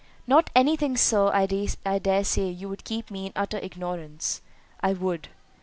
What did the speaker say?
"Not any thing, Sir, I dare say; you would keep me in utter ignorance." "I would."